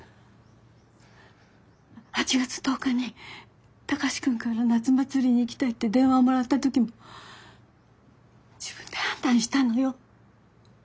８月１０日に高志くんから夏祭りに行きたいって電話をもらったときも自分で判断したのよ。